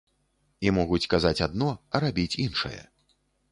І могуць казаць адно, а рабіць іншае.